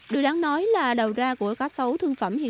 điều đáng nói là đầu ra của cá sấu thương phẩm hiện nay